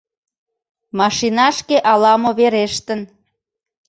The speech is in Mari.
Машинашке ала-мо верештын...